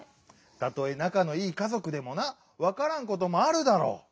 たとえなかのいいかぞくでもなわからんこともあるだろう。